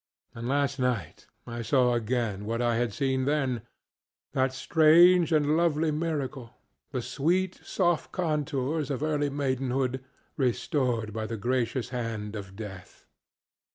And last night I saw again what I had seen thenŌĆöthat strange and lovely miracleŌĆöthe sweet, soft contours of early maidenhood restored by the gracious hand of death!